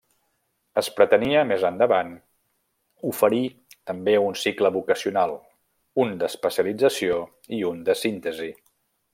Es pretenia, més endavant, oferir també un cicle vocacional, un d'especialització i un de síntesi.